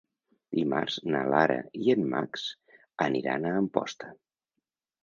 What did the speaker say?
Dimarts na Lara i en Max aniran a Amposta.